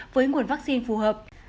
với nguồn vaccine phù hợp